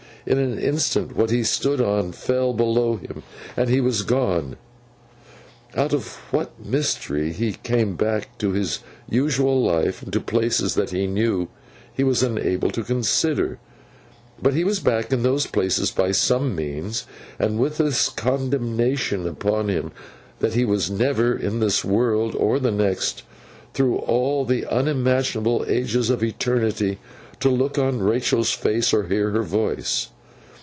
In an instant what he stood on fell below him, and he was gone. —Out of what mystery he came back to his usual life, and to places that he knew, he was unable to consider; but he was back in those places by some means, and with this condemnation upon him, that he was never, in this world or the next, through all the unimaginable ages of eternity, to look on Rachael's face or hear her voice.